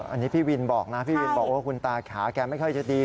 อันนี้พี่วินบอกนะพี่วินบอกโอ้คุณตาขาแกไม่ค่อยจะดี